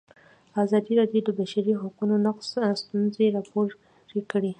ازادي راډیو د د بشري حقونو نقض ستونزې راپور کړي.